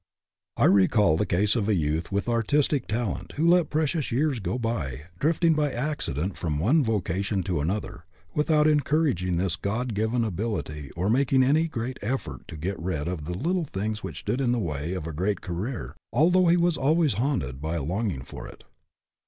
I recall the case of a youth with artistic talent who let precious years go by, drifting by accident from one vocation to another, without encouraging this God given ability or making any great effort to get rid of the 46 FREEDOM AT ANY COST little things which stood in the way of a great career, although he was always haunted by a longing for it.